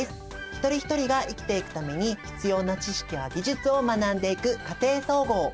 一人一人が生きていくために必要な知識や技術を学んでいく「家庭総合」。